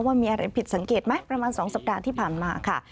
ว่ามีอะไรผิดสังเกตไหมประมาณ๒สัปดาห์ที่ผ่านมาค่ะ